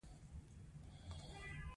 پسه حلال شو او د وریجو دېګ باندې شو.